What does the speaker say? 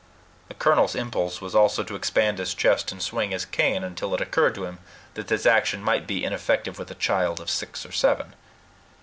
The colonel's impulse also was to expand his chest and swing his cane, until it occurred to him that this action might be ineffective with a child of six or seven.